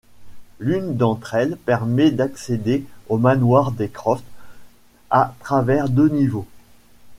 L'une d'entre elles permet d'accéder au manoir des Croft, à travers deux niveaux.